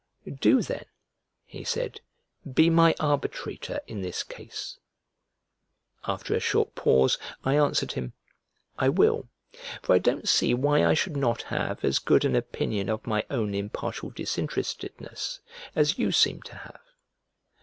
"Do then," he said, "be my arbitrator in this case." After a short pause I answered him, "I will, for I don't see why I should not have as good an opinion of my own impartial disinterestedness as you seem to have.